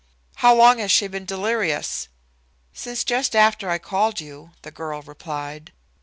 "How long has she been delirious?" "Since just after I called you," the girl replied.